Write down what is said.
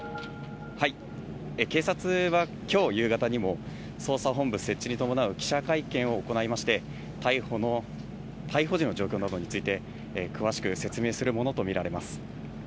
警察はきょう夕方にも捜査本部設置に伴う記者会見を行いまして、逮捕時の状況などについて、詳しく説明するものと見られます。